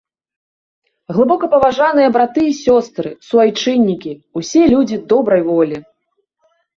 Глыбокапаважаныя браты і сёстры, суайчыннікі, усе людзі добрай волі!